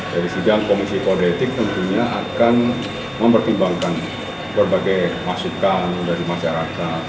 jadi sidang komisi kode etik tentunya akan mempertimbangkan berbagai masukan dari masyarakat